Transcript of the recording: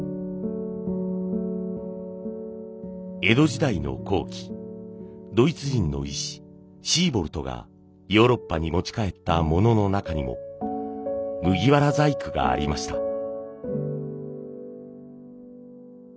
江戸時代の後期ドイツ人の医師シーボルトがヨーロッパに持ち帰ったものの中にも麦わら細工がありました。